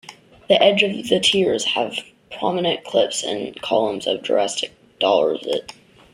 The edge of the tiers have prominent cliffs and columns of Jurassic dolerite.